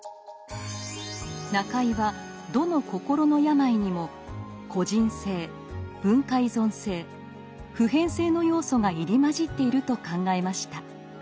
中井はどの心の病にも個人性文化依存性普遍性の要素が入り交じっていると考えました。